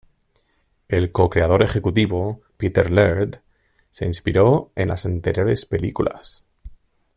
El co-creador ejecutivo: Peter Laird se inspiró en las anteriores películas.